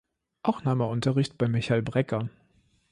Auch nahm er Unterricht bei Michael Brecker.